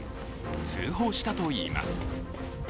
通報したといいます。